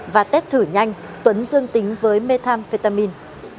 và tết thử nhanh tuấn dương tính với methamphetamine